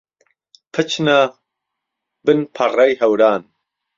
پچنە بن پەڕڕەی هەوران